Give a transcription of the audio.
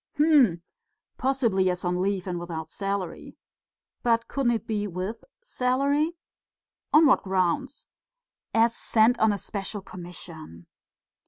"Hm!... Possibly as on leave and without salary...." "But couldn't it be with salary?" "On what grounds?" "As sent on a special commission."